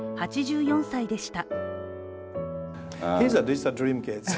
８４歳でした。